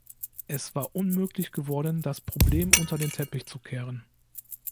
Es war unmöglich geworden, das Problem unter den Teppich zu kehren.